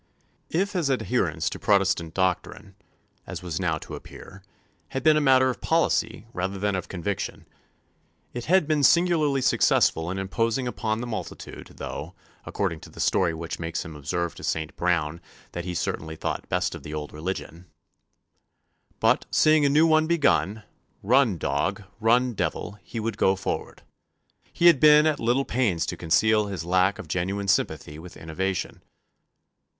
If his adherence to Protestant doctrine, as was now to appear, had been a matter of policy rather than of conviction, it had been singularly successful in imposing upon the multitude; though, according to the story which makes him observe to Sir Anthony Browne that he certainly thought best of the old religion, "but, seeing a new one begun, run dog, run devil, he would go forward," he had been at little pains to conceal his lack of genuine sympathy with innovation.